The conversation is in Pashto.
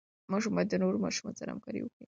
ماشوم باید د نورو ماشومانو سره همکاري وکړي.